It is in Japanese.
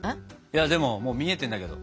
でももう見えてんだけど。